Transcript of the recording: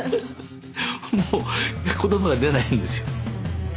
もう言葉が出ないんですよ。